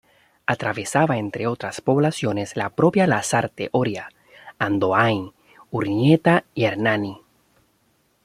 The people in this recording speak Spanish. Atravesaba entre otras poblaciones la propia Lasarte-Oria, Andoáin, Urnieta y Hernani.